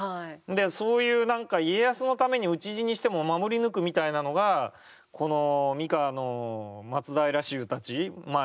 そういう何か家康のために討ち死にしても守り抜くみたいなのがこの三河の松平衆たちまあ